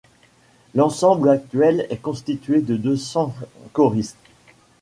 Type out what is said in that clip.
L'ensemble actuel est constitué de deux cents choristes.